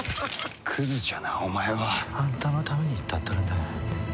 クズじゃなお前は。あんたのために言ったっとるんだがや。